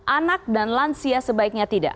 anak dan lansia sebaiknya tidak